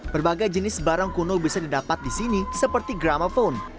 berbagai jenis barang kuno bisa didapat di sini seperti grama phone